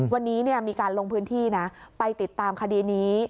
วันนี้มีการลงพื้นที่นะไปติดตามคดีนี้